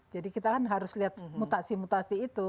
jadi kita harus lihat mutasi mutasi itu